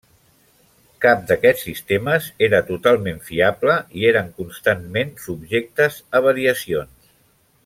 Cap d'aquests sistemes era totalment fiable i eren constantment subjectes a variacions.